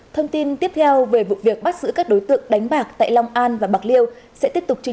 thông tin tiếp theo về vụ việc bắt giữ các đối tượng đánh bạc tại long an và bạc liên